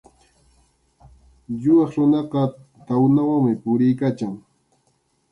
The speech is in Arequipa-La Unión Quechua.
Yuyaq runaqa tawnawanmi puriykachan.